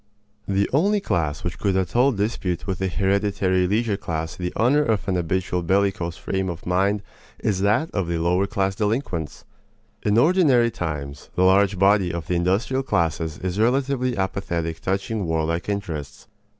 The only class which could at all dispute with the hereditary leisure class the honor of an habitual bellicose frame of mind is that of the lower class delinquents. In ordinary times, the large body of the industrial classes is relatively apathetic touching warlike interests.